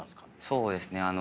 そうですね